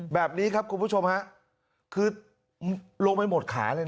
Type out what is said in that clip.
แบบนี้ครับคุณผู้ชมฮะคือลงไปหมดขาเลยนะ